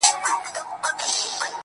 مړ مه سې، د بل ژوند د باب وخت ته.